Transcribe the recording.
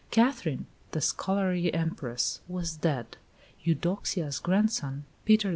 Catherine, the "scullery Empress," was dead; Eudoxia's grandson, Peter II.